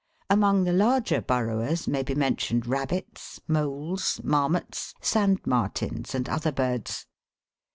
Among the larger burrowers may be mentioned rabbits, moles, marmots, sand martins and other birds.